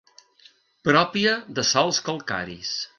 Pròpia de sòls calcaris.